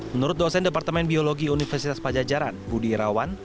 menurut dosen departemen biologi universitas pajajaran budi irawan